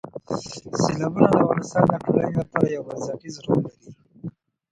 سیلابونه د افغانستان د ټولنې لپاره یو بنسټیز رول لري.